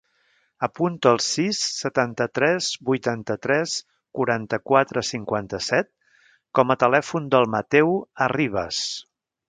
Apunta el sis, setanta-tres, vuitanta-tres, quaranta-quatre, cinquanta-set com a telèfon del Mateu Arribas.